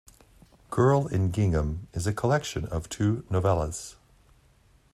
"Girl in Gingham" is a collection of two novellas.